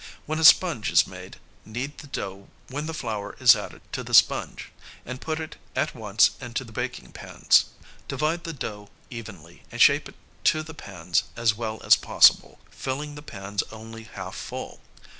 When a sponge is made, knead the dough when the flour is added to the sponge, and put it at once into the baking pans. Divide the dough evenly and shape it to the pans as well as possible, filling the pans only half full.